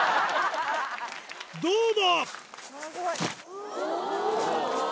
どうだ。